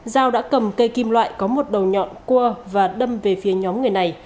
giao đã cầm cây kim loại có một đầu nhọn cua và đâm về phía nhóm người này